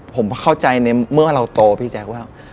ผมเข้าใจในเมื่อเราโตพี่แจ๊คว่า